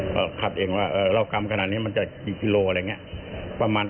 ประมาณก็ไม่ต่ำกว่ากิโลนึงนะครับ